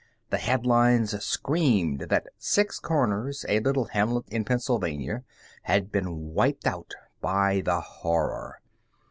The headlines screamed that Six Corners, a little hamlet in Pennsylvania, had been wiped out by the Horror.